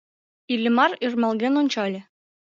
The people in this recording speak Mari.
Иллимар ӧрмалген ончале.